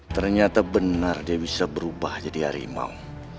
ternyata benar dia bisa berubah jadi harimau